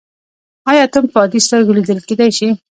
ایا اتوم په عادي سترګو لیدل کیدی شي.